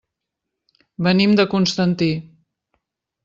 Venim de Constantí.